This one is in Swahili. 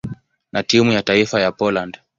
na timu ya taifa ya Poland.